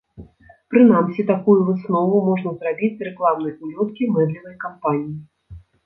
Прынамсі, такую выснову можна зрабіць з рэкламнай улёткі мэблевай кампаніі.